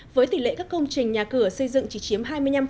với tỷ lệ các công trình nhà cửa xây dựng chỉ chiếm hai mươi năm